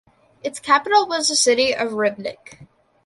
Its capital was the city of Rybnik.